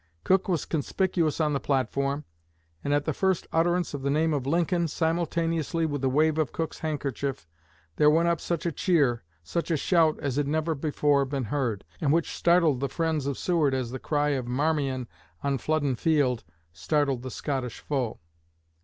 Cook was conspicuous on the platform, and at the first utterance of the name of Lincoln, simultaneously with the wave of Cook's handkerchief, there went up such a cheer, such a shout as had never before been heard, and which startled the friends of Seward as the cry of 'Marmion' on Flodden Field 'startled the Scottish foe.'